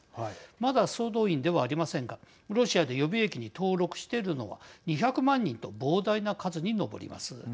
まだ、総動員ではありませんがロシアで予備役に登録しているのは２００万人と膨大な数に上ります。